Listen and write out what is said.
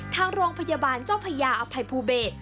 ทางโรงพยาบาลเจ้าพญาอภัยภูเบศ